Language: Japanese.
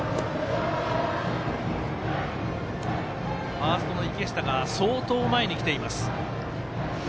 ファーストの池下が相当、前に来ています。